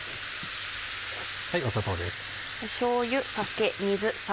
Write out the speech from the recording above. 砂糖です。